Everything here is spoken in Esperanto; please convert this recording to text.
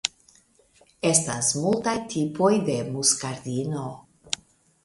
Estas multaj tipoj de muskardino.